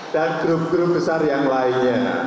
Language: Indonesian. dan grup grup besar yang lainnya